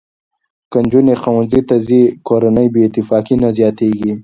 که نجونې ښوونځي ته نه ځي، کورني بې اتفاقي زیاتېږي.